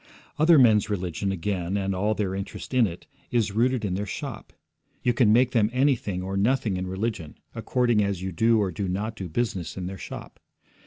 Other men's religion, again, and all their interest in it, is rooted in their shop; you can make them anything or nothing in religion, according as you do or do not do business in their shop.